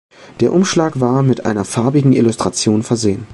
Der Umschlag war mit einer farbigen Illustration versehen.